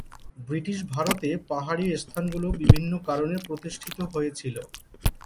British ভারতে পাহাড়ি স্থানগুলো বিভিন্ন কারণে প্রতিষ্ঠিত হয়েছিল।